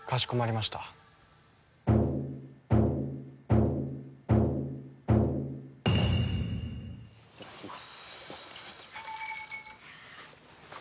いただきます。